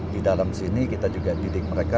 di dalam sini kita juga didik mereka